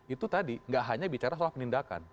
itu tadi nggak hanya bicara soal penindakan